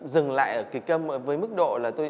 dừng lại ở kịch câm với mức độ